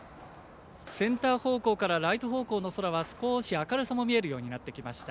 センター方向からライト方向の空は少し明るさも見えるようになってきました。